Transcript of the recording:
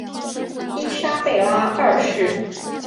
伊莎贝拉二世。